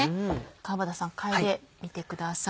川畑さん嗅いでみてください。